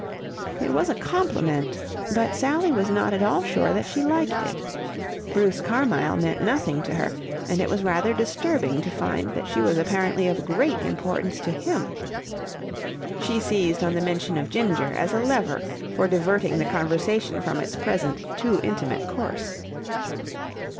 It was a compliment, but Sally was not at all sure that she liked it. Bruce Carmyle meant nothing to her, and it was rather disturbing to find that she was apparently of great importance to him. She seized on the mention of Ginger as a lever for diverting the conversation from its present too intimate course.